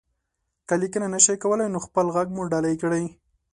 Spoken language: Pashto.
که ليکنه نشئ کولی، نو خپل غږ مو ډالۍ کړئ.